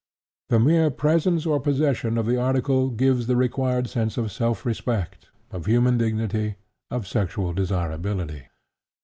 The mere presence or possession of the article gives the required sense of self respect, of human dignity, of sexual desirability.